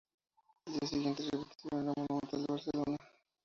Al día siguiente repitieron en La Monumental de Barcelona.